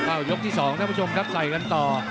ยกที่๒ท่านผู้ชมครับใส่กันต่อ